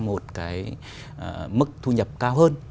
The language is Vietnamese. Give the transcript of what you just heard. một cái mức thu nhập cao hơn